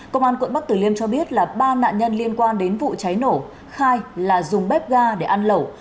công an quận bắc tử liêm cho biết là ba nạn nhân liên quan đến vụ cháy nổ khai là dùng bếp ga để ăn lẩu